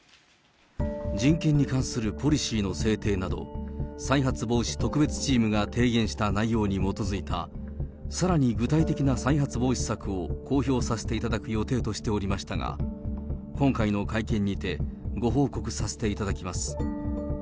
人権に関するポリシーの制定など、再発防止特別チームが提言した内容に基づいた、さらに具体的な再発防止策を公表させていただく予定としておりましたが、今回の会見にて、ご報告させていただきます。